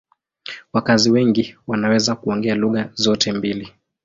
Wakazi wengi wanaweza kuongea lugha zote mbili.